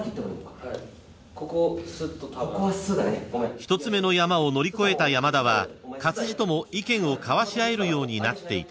［一つ目のヤマを乗り越えた山田は勝地とも意見を交わし合えるようになっていた］